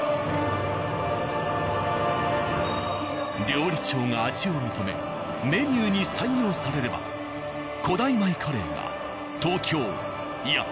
料理長が味を認めメニューに採用されれば古代米カレーは東京いや